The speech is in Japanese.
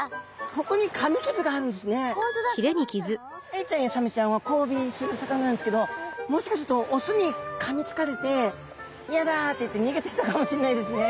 エイちゃんやサメちゃんはこうびする魚なんですけどもしかするとオスにかみつかれて「ヤダ！」っていって逃げてきたかもしんないですね。